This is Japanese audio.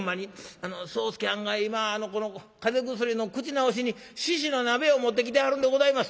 「あの宗助はんが今風邪薬の口直しに猪の鍋を持ってきてはるんでございます」。